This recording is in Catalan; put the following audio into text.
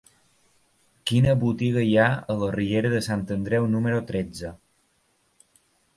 Quina botiga hi ha a la riera de Sant Andreu número tretze?